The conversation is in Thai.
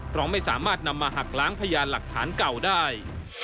เพราะไม่สามารถนำมาหักล้างพยานหลักฐานเก่าได้